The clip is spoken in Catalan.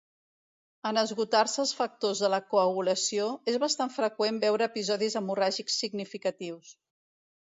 En esgotar-se els factors de la coagulació, és bastant freqüent veure episodis hemorràgics significatius.